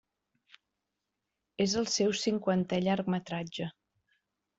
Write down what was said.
És el seu cinquantè llargmetratge.